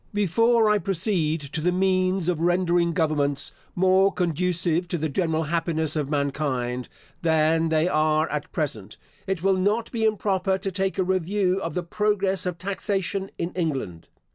Before I proceed to the means of rendering governments more conducive to the general happiness of mankind, than they are at present, it will not be improper to take a review of the progress of taxation in England.